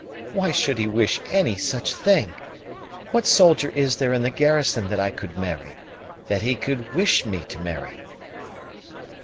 Why should he wish any such thing? What soldier is there in the garrison that I could marry that he could wish me to marry?"